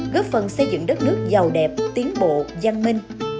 góp phần xây dựng đất nước giàu đẹp tiến bộ văn minh